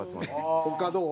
他どう？